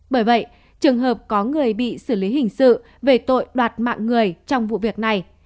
bởi vậy trường hợp có người bị xử lý hình sự về tội đoạt mạng người trong vụ việc này